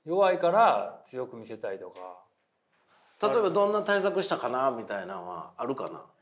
例えばどんな対策したかなみたいなんはあるかな？